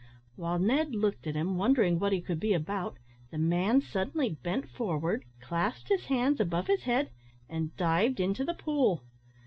While Ned looked at him, wondering what he could be about, the man suddenly bent forward, clasped his hands above his head, and dived into the pool.